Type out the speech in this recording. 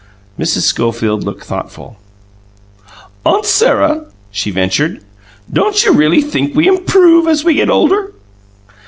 Mrs. Schofield looked thoughtful. "Aunt Sarah," she ventured, "don't you really think we improve as we get older?"